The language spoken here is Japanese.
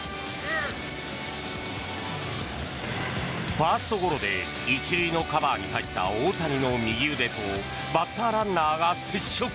ファーストゴロで１塁のカバーに入った大谷の右腕とバッターランナーが接触。